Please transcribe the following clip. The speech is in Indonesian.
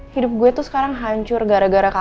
hidup gue tuh sekarang hancur gara gara